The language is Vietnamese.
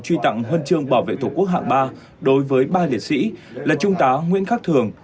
truy tặng huân chương bảo vệ tổ quốc hạng ba đối với ba liệt sĩ là trung tá nguyễn khắc thường